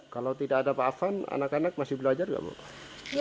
kalau tidak ada pak afan anak anak masih belajar nggak pak